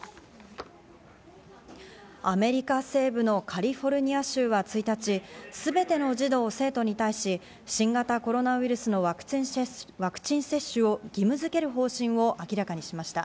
アメリカ西部のカリフォルニア州は１日、全ての児童・生徒に対し、新型コロナウイルスのワクチン接種を義務づける方針を明らかにしました。